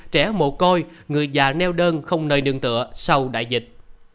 trẻ mồ côi người già neo đơn không nơi nương tựa sau đại dịch